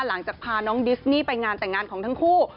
หลังจากพาน้องดิสนี่ไปงานแต่งงานของทั้งคู่